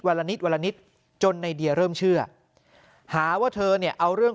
ละนิดวันละนิดจนในเดียเริ่มเชื่อหาว่าเธอเนี่ยเอาเรื่อง